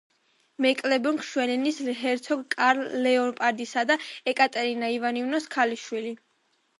მეკლენბურგ-შვერინის ჰერცოგ კარლ ლეოპოლდისა და ეკატერინა ივანოვნას ქალიშვილი.